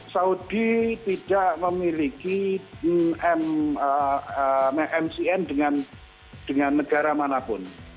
saudi tidak memiliki mcn dengan negara manapun